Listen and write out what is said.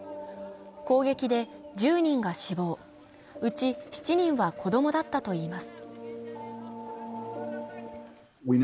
攻撃で１０人が死亡、うち７人は子供だったといいます。